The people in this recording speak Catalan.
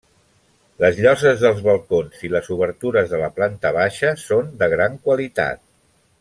Les lloses dels balcons i les obertures de la planta baixa són de gran qualitat.